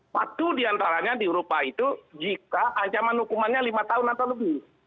patuh diantaranya diurut pak itu jika ancaman hukumannya lima tahun atau lebih